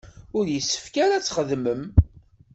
Ur yessefk ara ad txedmem.